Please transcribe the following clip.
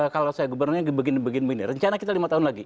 kalau saya gubernurnya begini begini rencana kita lima tahun lagi